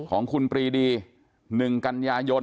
ของคุณปรีดี๑กัญญายน๒๕๖๓